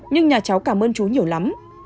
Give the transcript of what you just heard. nhưng nhà cháu cảm ơn chú nhiều lắm